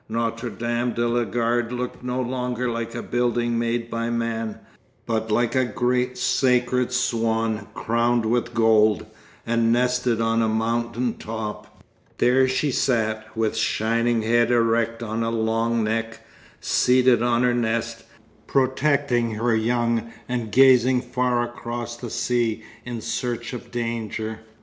Notre Dame de la Garde looked no longer like a building made by man, but like a great sacred swan crowned with gold, and nested on a mountain top. There she sat, with shining head erect on a long neck, seated on her nest, protecting her young, and gazing far across the sea in search of danger.